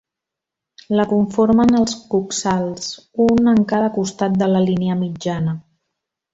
La conformen els coxals, un en cada costat de la línia mitjana.